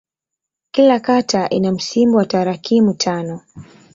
Kila kata ina msimbo wa tarakimu tano.